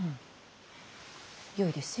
よいですよ。